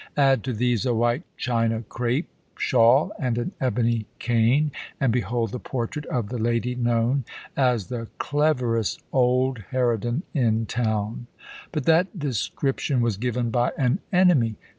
Add to these a white China crape shawl and an ebony cane, and behold the portrait of the lady known as the "cleverest old harridan in town." But that description was given by an enemy.